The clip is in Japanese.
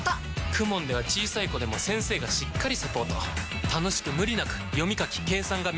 ＫＵＭＯＮ では小さい子でも先生がしっかりサポート楽しく無理なく読み書き計算が身につきます！